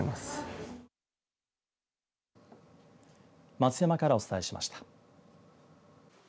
松山からお伝えしました。